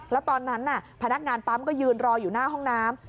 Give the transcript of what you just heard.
แล้วตอนนั้นพนักงานปั๊มก็ยืนรออยู่หน้าห้องน้ำ